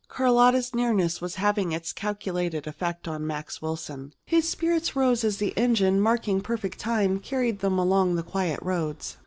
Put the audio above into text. Carlotta's nearness was having its calculated effect on Max Wilson. His spirits rose as the engine, marking perfect time, carried them along the quiet roads.